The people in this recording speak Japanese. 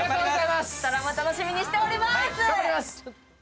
ドラマ楽しみにしております。